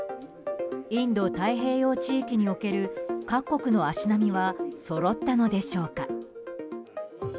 インド太平洋地域における各国の足並みはそろったのでしょうか。